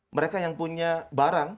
mereka yang punya barang